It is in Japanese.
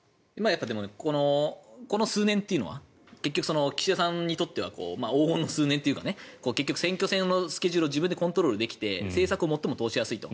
でも、この数年というのは結局、岸田さんにとっては黄金の数年というか選挙戦のスケジュールを自分でコントロールできて政策を最も通しやすいと。